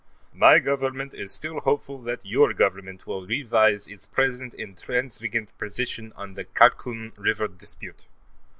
My Government is still hopeful that your Government will revise its present intransigeant position on the Khakum River dispute.